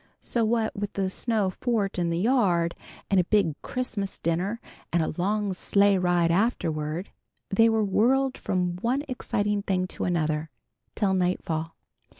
So what with the snow fort in the yard, and a big Christmas dinner and a long sleighride afterward, they were whirled from one exciting thing to another, till nightfall.